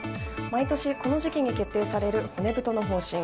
毎年、この時期に決定される骨太の方針。